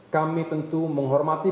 kami tentu menghormati